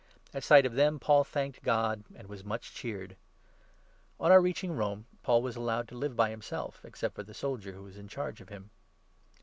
At sight of them Paul thanked God and was much cheered. On our reaching Rome, Paul was allowed to live by himself, 16 except for the soldier who was in charge of him.